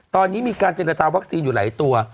ตอนนี้มีการเจรจาวัคซีนอยู่หลายตัว